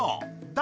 誰？